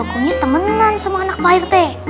trio kunyit temenan sama anak pak rt